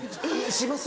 します